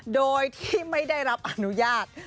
โดยที่ไม่ได้รับอนุญาต